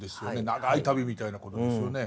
長い旅みたいなことですよね。